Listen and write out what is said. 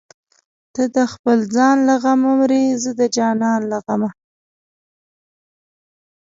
ته د خپل ځان له غمه مرې زه د جانان له غمه